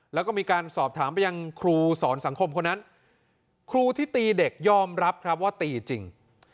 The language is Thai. แล้วก็มีการสอบถามไปยังครูสอนสังคมคนนั้นครูที่ตีเด็กยอมรับครับว่าตีจริง